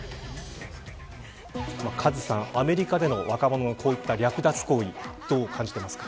カズさん、アメリカでの若者のこういった略奪行為どう感じていますか。